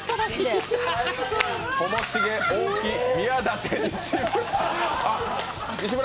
ともしげ、大木、宮舘、西村。